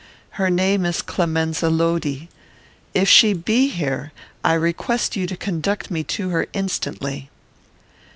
Her name is Clemenza Lodi. If she be here, I request you to conduct me to her instantly."